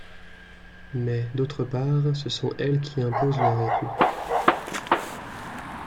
Mais d’autre part, ce sont elles qui imposent leur rythme.